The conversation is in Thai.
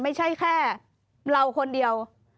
ไม่ใช่แค่เราคนเดียว